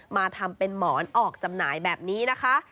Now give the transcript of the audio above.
มาทำเป็นหมอนออกจำหน่ายแบบนี้นะคะ